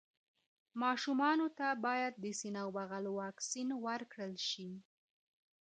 ماشومانو ته باید د سینه بغل واکسين ورکړل شي.